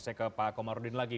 saya ke pak komarudin lagi